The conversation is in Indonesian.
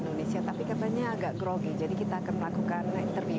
dan juga olimpiade